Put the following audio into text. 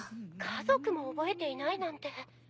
家族も覚えていないなんて。